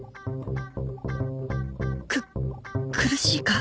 くっ苦しいか？